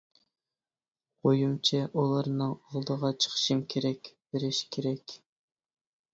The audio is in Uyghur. -ئويۇمچە، ئۇلارنىڭ ئالدىغا چىقىشىم كېرەك، بېرىش كېرەك.